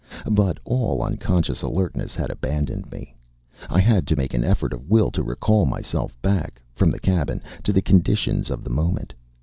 But all unconscious alertness had abandoned me. I had to make an effort of will to recall myself back (from the cabin) to the conditions of the moment.